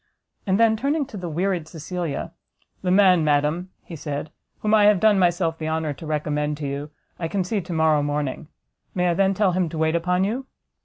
And then, turning to the wearied Cecilia, "The man, madam," he said, "whom I have done myself the honour to recommend to you, I can see to morrow morning; may I then tell him to wait upon you?"